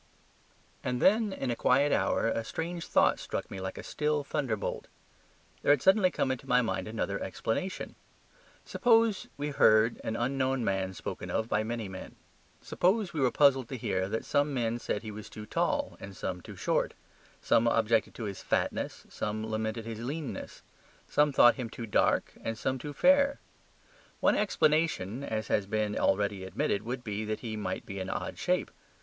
And then in a quiet hour a strange thought struck me like a still thunderbolt. There had suddenly come into my mind another explanation. Suppose we heard an unknown man spoken of by many men. Suppose we were puzzled to hear that some men said he was too tall and some too short; some objected to his fatness, some lamented his leanness; some thought him too dark, and some too fair. One explanation (as has been already admitted) would be that he might be an odd shape.